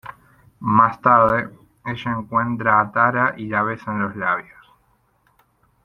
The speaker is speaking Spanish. Más tarde, ella encuentra a Tara y la besa en los labios.